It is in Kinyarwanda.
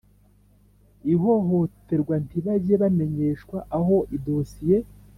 ihohoterwa ntibajye bamenyeshwa aho idosiye